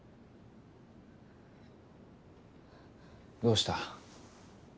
どうした？